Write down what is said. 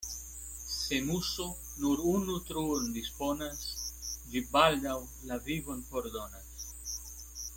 Se muso nur unu truon disponas, ĝi baldaŭ la vivon fordonas.